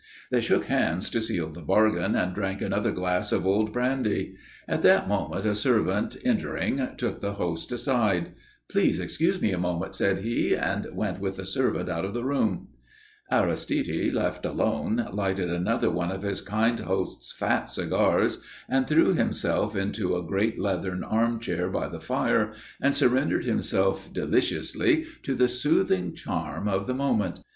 They shook hands to seal the bargain and drank another glass of old brandy. At that moment, a servant, entering, took the host aside. "Please excuse me a moment," said he, and went with the servant out of the room. Aristide, left alone, lighted another of his kind host's fat cigars and threw himself into a great leathern arm chair by the fire, and surrendered himself deliciously to the soothing charm of the moment.